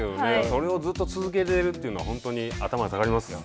それをずっと続けてるというのは本当に頭下がりますよ。